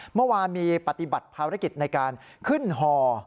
เมื่อวานมีปฏิบัติภารกิจในการขึ้นห่อ